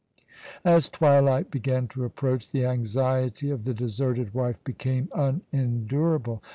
As twilight began to approach, the anxiety of the deserted wife became unendurable.